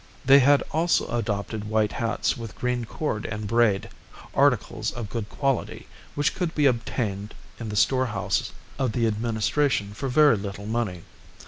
They had also adopted white hats with green cord and braid articles of good quality, which could be obtained in the storehouse of the administration for very little money.